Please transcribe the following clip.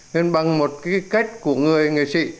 nên bằng một cái cách của người nghệ sĩ